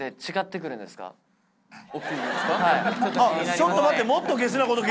ちょっと待って。